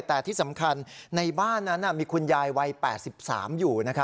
แต่ที่สำคัญในบ้านนั้นมีคุณยายวัย๘๓อยู่